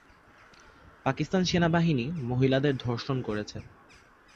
পাকিস্তান সেনাবাহিনী মহিলাদের ধর্ষণ করেছে।